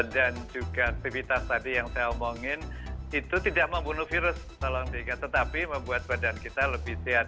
dan juga aktivitas tadi yang saya omongin itu tidak membunuh virus tetapi membuat badan kita lebih sehat